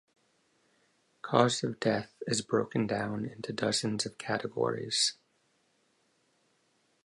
Cause of death is broken down into dozens of categories.